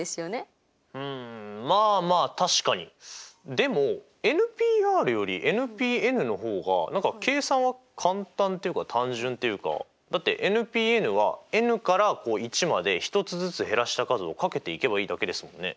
でもｎＰｒよりｎＰｎの方が何か計算は簡単っていうか単純っていうかだってｎＰｎはｎから１まで１つずつ減らした数を掛けていけばいいだけですもんね。